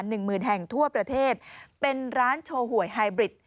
หนึ่งหมื่นแห่งทั่วประเทศเป็นร้านโชว์หวยไฮบริด